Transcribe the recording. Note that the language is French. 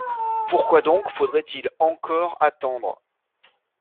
Pourquoi donc faudrait-il encore attendre?